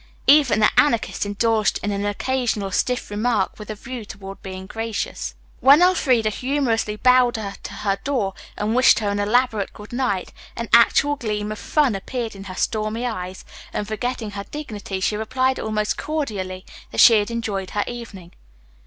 Even the Anarchist indulged in an occasional stiff remark with a view toward being gracious. When Elfreda humorously bowed her to her door and wished her an elaborate good night, an actual gleam of fun appeared in her stormy eyes, and forgetting her dignity she replied almost cordially that she had enjoyed her evening.